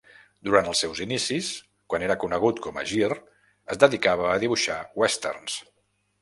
Durant els seus inicis, quan era conegut com a Gir, es dedicava a dibuixar westerns.